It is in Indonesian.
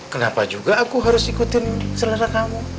kenapa juga aku harus ikutin selera kamu